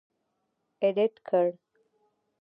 اېډېټ کړ.